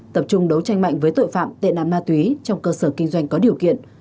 tập trung đấu tranh mạnh với tội phạm tệ nạn ma túy trong cơ sở kinh doanh có điều kiện